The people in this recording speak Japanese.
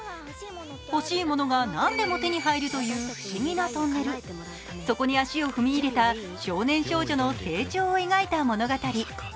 欲しいものが何でも手に入るという不思議なトンネル、そこに足を踏み入れた少年少女の成長を描いた物語。